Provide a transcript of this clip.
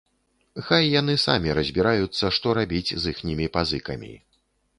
Хай яны самі разбіраюцца, што рабіць з іхнімі пазыкамі.